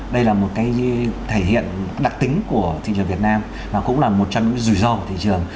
đây là một cái thể hiện đặc tính của thị trường việt nam và cũng là một trong những rủi ro của thị trường